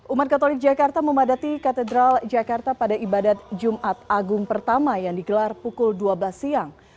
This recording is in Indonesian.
umat katolik jakarta memadati katedral jakarta pada ibadat jumat agung pertama yang digelar pukul dua belas siang